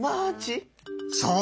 そう！